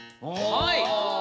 はい。